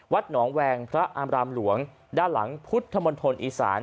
หนองแวงพระอามรามหลวงด้านหลังพุทธมณฑลอีสาน